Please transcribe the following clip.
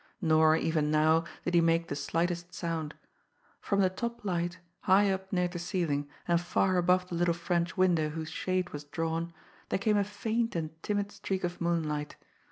Nor, even now, did he make the slightest sound. From the top light, high up near the ceiling and far above the little French window whose shade was drawn, there came a faint and timid streak of moonlight.